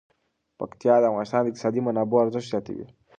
پکتیکا د افغانستان د اقتصادي منابعو ارزښت زیاتوي.